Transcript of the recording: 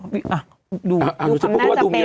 อยู่คำน่าจะเป็น